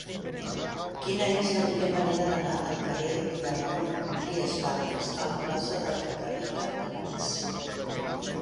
Quina és la millor manera d'anar del carrer de Ramon Trias Fargas a la plaça de Garriga i Bachs?